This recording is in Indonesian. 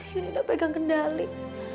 yunina pegang kendali